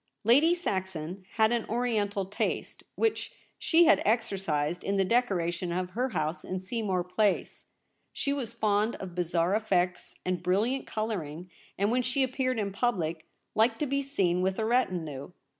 Lady Saxon had an Oriental taste which she had exercised in the decoration of her house in Seamore Place. She was fond of bizarre effects and brilliant colouring, and when she appeared in public liked to be seen with a retinue.